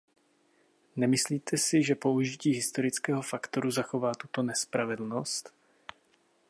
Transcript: Nemyslíte si, že použití historického faktoru zachová tuto nespravedlnost?